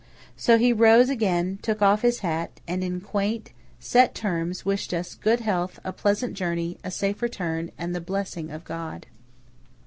So he rose again, took off his hat, and in quaint, set terms wished us "good health, a pleasant journey, a safe return, and the blessing of God."